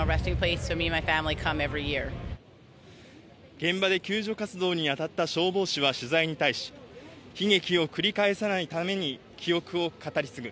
現場で救助活動に当たった消防員は取材に対し悲劇を繰り返さないために記憶を語り継ぐ。